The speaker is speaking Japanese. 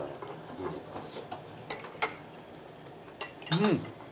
うん！